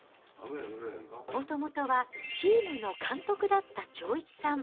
もともとはチームの監督だった長一さん。